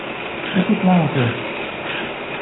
Écoute-la un peu !